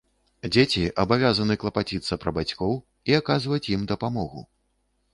Дзеці абавязаны клапаціцца пра бацькоў, і аказваць ім дапамогу.